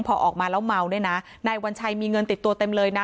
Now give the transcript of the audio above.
พอออกมาแล้วเมาด้วยนะนายวัญชัยมีเงินติดตัวเต็มเลยนะ